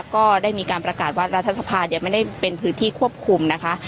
ก็ได้มีการประกาศว่ารัฐสภาไม่ได้เป็นพื้นที่ควบคุมนะคะ